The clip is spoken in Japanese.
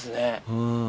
うん。